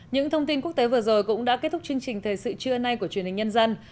những thông tin quốc tế vừa rồi cũng đã kết thúc chương trình thời sự trưa nay của truyền hình nhân dân